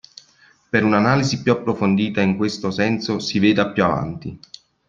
Per un'analisi più approfondita in questo senso si veda più avanti.